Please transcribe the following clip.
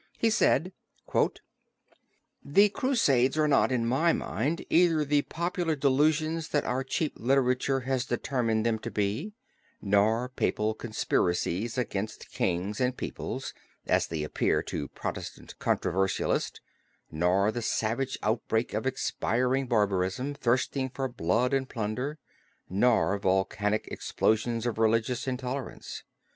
He said: "The Crusades are not, in my mind, either the popular delusions that our cheap literature has determined them to be, nor papal conspiracies against kings and peoples, as they appear to Protestant controversialists; nor the savage outbreak of expiring barbarism, thirsting for blood and plunder, nor volcanic explosions of religious intolerance.